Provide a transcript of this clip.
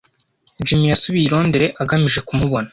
Jim yasubiye i Londres agamije kumubona.